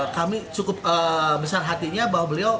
kami cukup besar hatinya bahwa beliau